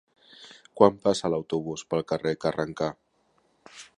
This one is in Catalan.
Quan passa l'autobús pel carrer Carrencà?